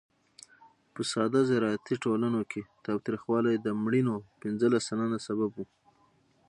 په ساده زراعتي ټولنو کې تاوتریخوالی د مړینو پینځلس سلنه سبب و.